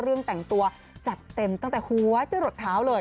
แต่งตัวจัดเต็มตั้งแต่หัวจะหลดเท้าเลย